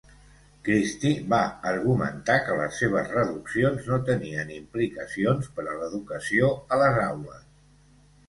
Christie va argumentar que les seves reduccions no tenien implicacions per a l'educació a les aules.